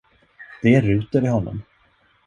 Det är ruter i honom.